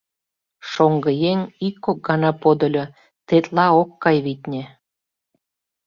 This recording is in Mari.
Шоҥгыеҥ ик-кок гана подыльо, тетла ок кай, витне.